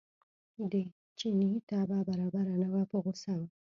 د چیني طبع برابره نه وه په غوسه و.